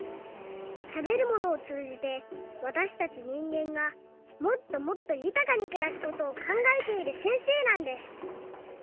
たべるものをつうじてわたしたちにんげんがもっともっとゆたかにくらすことをかんがえているせんせいなんです！